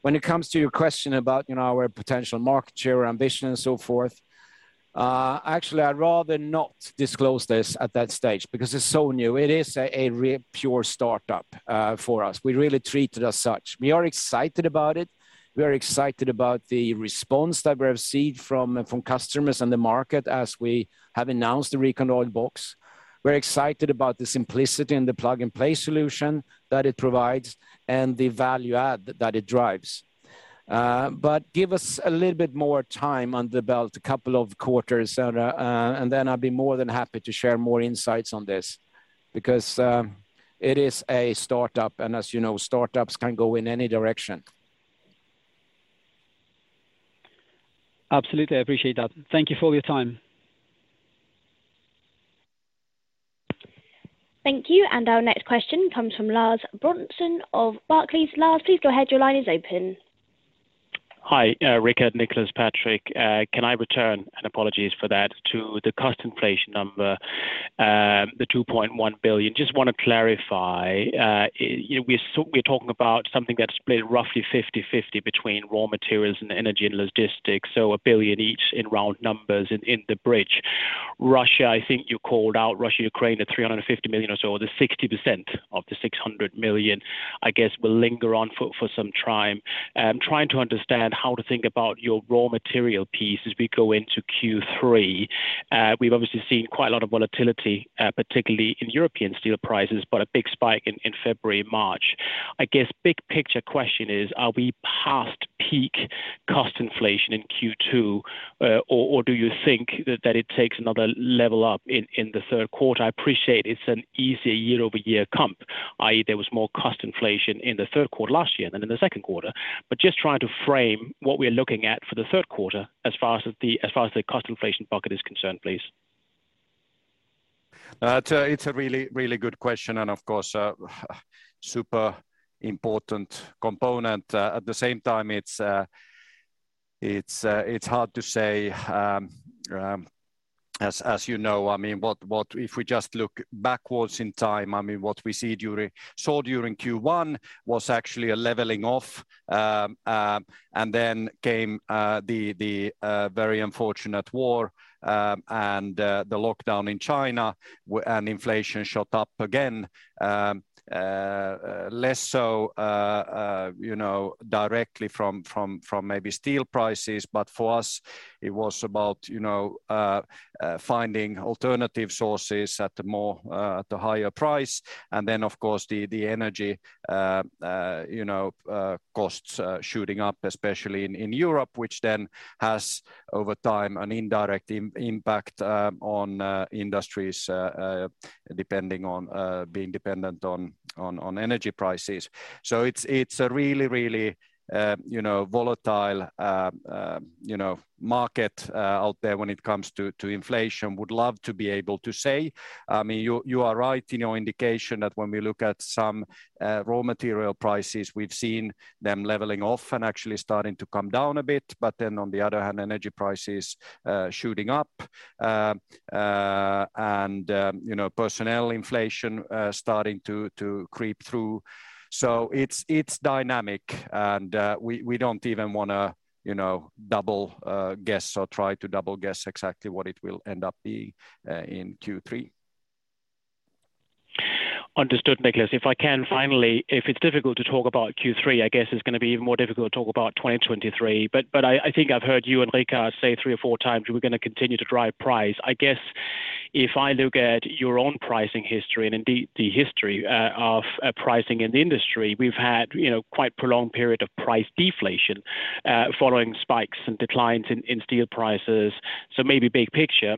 When it comes to your question about, you know, our potential market share, ambition and so forth, actually I'd rather not disclose this at that stage because it's so new. It is a real pure startup for us. We really treat it as such. We are excited about it. We are excited about the response that we have received from from customers and the market as we have announced the RecondOil Box. We're excited about the simplicity and the plug-and-play solution that it provides and the value add that it drives. Give us a little bit more time under the belt, a couple of quarters, and then I'll be more than happy to share more insights on this because it is a startup, and as you know, startups can go in any direction. Absolutely. I appreciate that. Thank you for your time. Thank you. Our next question comes from Lars Brorson of Barclays. Lars, please go ahead. Your line is open. Hi, Rickard, Niclas, Patrik. Can I return, and apologies for that, to the cost inflation number, the 2.1 billion. Just wanna clarify, you know, we're talking about something that's split roughly 50/50 between raw materials and energy and logistics, so 1 billion each in round numbers in the bridge. Russia, I think you called out Russia/Ukraine at 350 million or so, the 60% of the 600 million, I guess, will linger on for some time. Trying to understand how to think about your raw material piece as we go into Q3. We've obviously seen quite a lot of volatility, particularly in European steel prices, but a big spike in February, March. I guess big picture question is, are we past peak cost inflation in Q2, or do you think that it takes another level up in the third quarter? I appreciate it's an easier year-over-year comp, i.e., there was more cost inflation in the third quarter last year than in the second quarter. Just trying to frame what we're looking at for the third quarter as far as the cost inflation bucket is concerned, please. That's a really good question and of course, super important component. At the same time, it's hard to say. As you know, I mean, if we just look backwards in time, I mean, what we saw during Q1 was actually a leveling off, and then came the very unfortunate war, and the lockdown in China and inflation shot up again. Less so, you know, directly from maybe steel prices, but for us, it was about, you know, finding alternative sources at a higher price. Of course, the energy costs shooting up, especially in Europe, which then has over time an indirect impact on industries depending on being dependent on energy prices. It's a really volatile market out there when it comes to inflation. Would love to be able to say. I mean, you are right in your indication that when we look at some raw material prices, we've seen them leveling off and actually starting to come down a bit. On the other hand, energy prices shooting up and personnel inflation starting to creep through. It's dynamic and we don't even wanna, you know, double guess or try to double guess exactly what it will end up being in Q3. Understood, Niclas. If I can finally, if it's difficult to talk about Q3, I guess it's gonna be even more difficult to talk about 2023. I think I've heard you and Rickard say three or four times, we're gonna continue to drive price. I guess if I look at your own pricing history and indeed the history of pricing in the industry, we've had, you know, quite prolonged period of price deflation following spikes and declines in steel prices. Maybe big picture,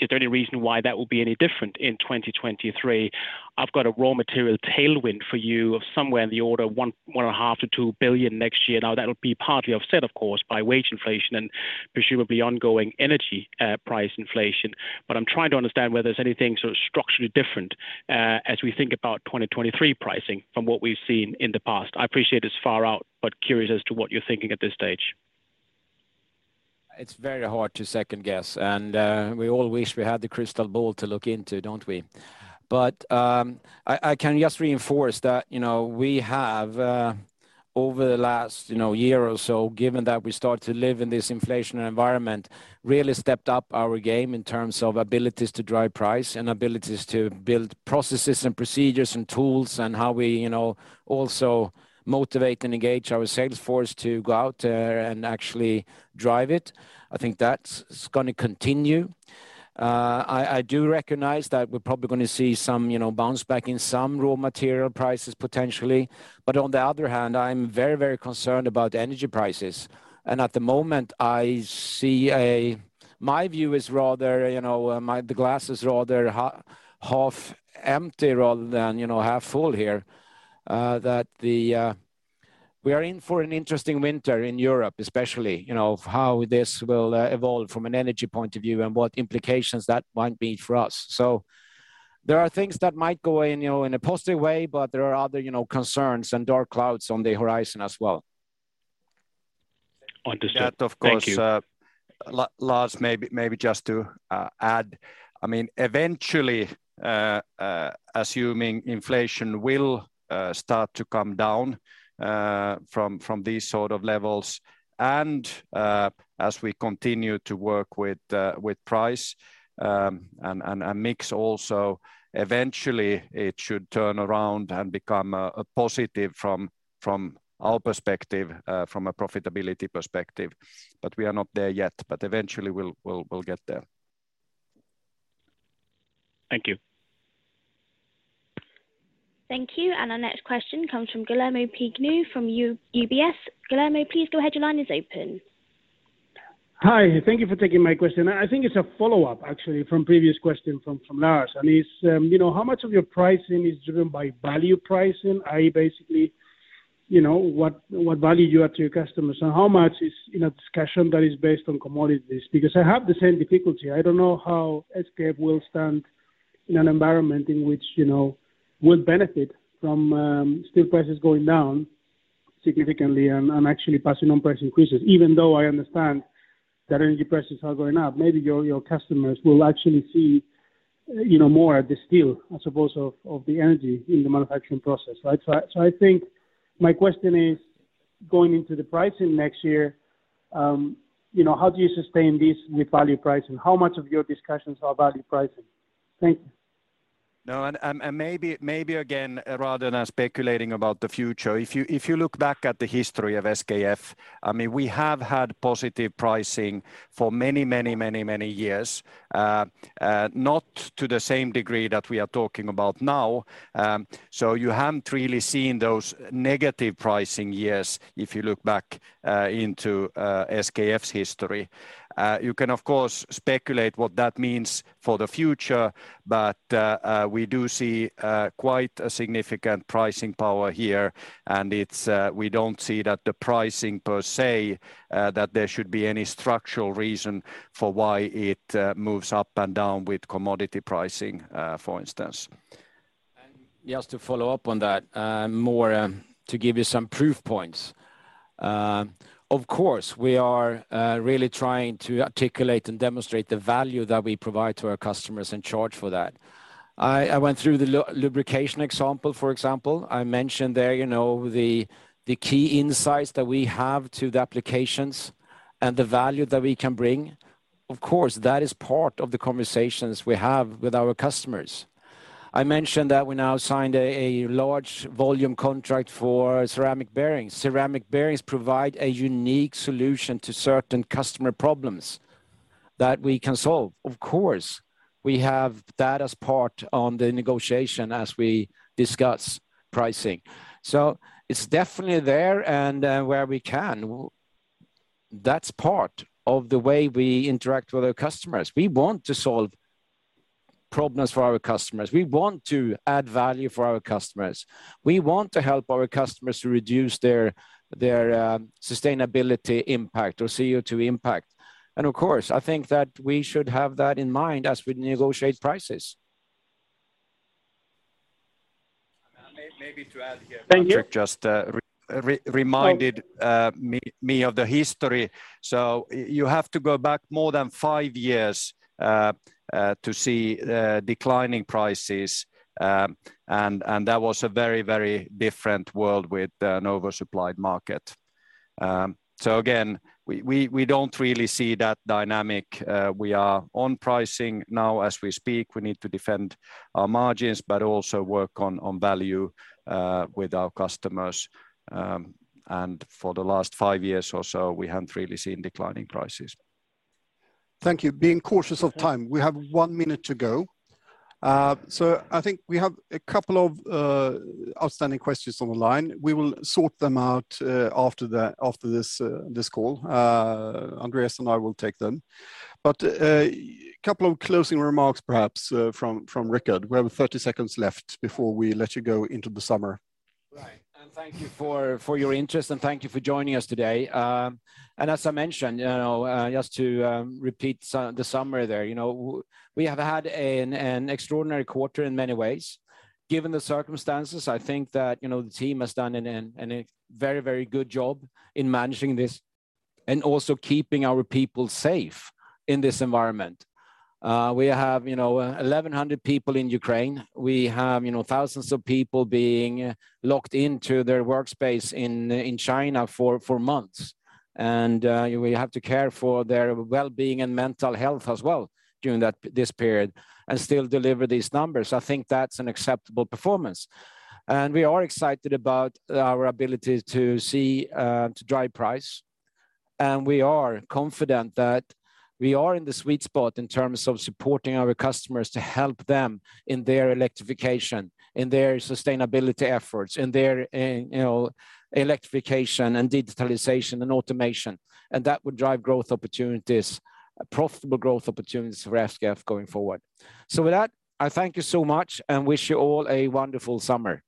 is there any reason why that will be any different in 2023? I've got a raw material tailwind for you of somewhere in the order of 1 billion, SEK 1.5 billion to 2 billion next year. Now that'll be partly offset of course by wage inflation and presumably ongoing energy price inflation. I'm trying to understand whether there's anything sort of structurally different, as we think about 2023 pricing from what we've seen in the past. I appreciate it's far out, but curious as to what you're thinking at this stage. It's very hard to second guess, and we all wish we had the crystal ball to look into, don't we? I can just reinforce that, you know, we have, over the last, you know, year or so, given that we start to live in this inflationary environment, really stepped up our game in terms of abilities to drive price and abilities to build processes and procedures and tools and how we, you know, also motivate and engage our sales force to go out there and actually drive it. I think that's gonna continue. I do recognize that we're probably gonna see some, you know, bounce back in some raw material prices potentially. On the other hand, I'm very, very concerned about energy prices. At the moment I see a. My view is rather, you know, the glass is rather half empty rather than, you know, half full here. That we are in for an interesting winter in Europe, especially, you know, of how this will evolve from an energy point of view and what implications that might be for us. There are things that might go in, you know, in a positive way, but there are other, you know, concerns and dark clouds on the horizon as well. Understood. Thank you. That of course, Lars, maybe just to add, I mean, eventually assuming inflation will start to come down from these sort of levels and as we continue to work with price and mix also, eventually it should turn around and become a positive from our perspective from a profitability perspective. But we are not there yet, but eventually we'll get there. Thank you. Thank you. Our next question comes from Guillermo Peigneux from UBS. Guillermo, please go ahead. Your line is open. Hi. Thank you for taking my question. I think it's a follow-up actually from previous question from Lars. It's you know, how much of your pricing is driven by value pricing? I basically, you know, what value you add to your customers, and how much is in a discussion that is based on commodities? Because I have the same difficulty. I don't know how SKF will stand in an environment in which, you know, will benefit from steel prices going down significantly and actually passing on price increases. Even though I understand that energy prices are going up, maybe your customers will actually see, you know, more of the steel as opposed to the energy in the manufacturing process. Right? I think my question is going into the pricing next year, you know, how do you sustain this with value pricing? How much of your discussions are value pricing? Thank you. No, maybe again, rather than speculating about the future, if you look back at the history of SKF, I mean, we have had positive pricing for many years. Not to the same degree that we are talking about now. You haven't really seen those negative pricing years if you look back into SKF's history. You can of course speculate what that means for the future, but we do see quite a significant pricing power here and it's we don't see that the pricing per se that there should be any structural reason for why it moves up and down with commodity pricing, for instance. Just to follow up on that, more to give you some proof points. Of course, we are really trying to articulate and demonstrate the value that we provide to our customers and charge for that. I went through the lubrication example, for example. I mentioned there, you know, the key insights that we have to the applications and the value that we can bring. Of course, that is part of the conversations we have with our customers. I mentioned that we now signed a large volume contract for ceramic bearings. Ceramic bearings provide a unique solution to certain customer problems that we can solve. Of course, we have that as part of the negotiation as we discuss pricing. It's definitely there and where we can. That's part of the way we interact with our customers. We want to solve problems for our customers. We want to add value for our customers. We want to help our customers to reduce their sustainability impact or CO2 impact. Of course, I think that we should have that in mind as we negotiate prices. I mean, maybe to add here. Thank you.... Patrik just reminded me of the history. You have to go back more than five years to see declining prices. That was a very different world with an oversupplied market. Again, we don't really see that dynamic. We are on pricing now as we speak. We need to defend our margins, but also work on value with our customers. For the last five years or so, we haven't really seen declining prices. Thank you. Being cautious of time, we have 1 minute to go. I think we have a couple of outstanding questions on the line. We will sort them out after this call. Andreas and I will take them. Couple of closing remarks perhaps from Rickard. We have 30 seconds left before we let you go into the summer. Right. Thank you for your interest, and thank you for joining us today. As I mentioned, you know, just to repeat the summary there, you know, we have had an extraordinary quarter in many ways. Given the circumstances, I think that, you know, the team has done a very good job in managing this and also keeping our people safe in this environment. We have, you know, 1,100 people in Ukraine. We have, you know, thousands of people being locked into their workspace in China for months. We have to care for their wellbeing and mental health as well during this period and still deliver these numbers. I think that's an acceptable performance. We are excited about our ability to drive price. We are confident that we are in the sweet spot in terms of supporting our customers to help them in their electrification, in their sustainability efforts, in their, you know, electrification and digitalization and automation, and that would drive growth opportunities, profitable growth opportunities for SKF going forward. With that, I thank you so much and wish you all a wonderful summer.